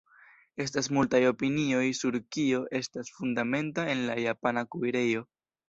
Estas multaj opinioj sur kio estas fundamenta en la japana kuirejo.